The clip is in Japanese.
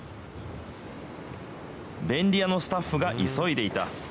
便利屋のスタッフが急いでいた。